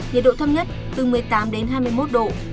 nhiệt độ thấp nhất từ một mươi tám đến hai mươi một độ